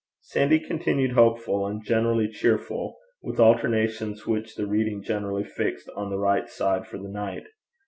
Sandy continued hopeful and generally cheerful, with alternations which the reading generally fixed on the right side for the night.